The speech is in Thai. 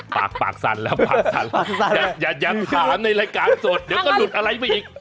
ปากสั่นแล้วอย่าถามในรายการสดเดี๋ยวก็หลุดอะไรไปอีก